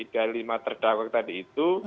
dari materdakwa tadi itu